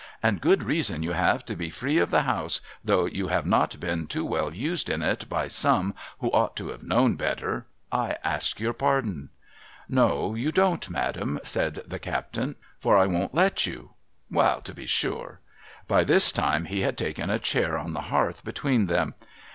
' And good reason you have to be free of the house, though you have not been too well used in it by some who ought to have knov.n better. I ask your pardon.' * No you don't, ma'am,' said the captain, ' for I won't let you. Wa'al, to be sure 1 ' By this time he had taken a chair on the hearth between them.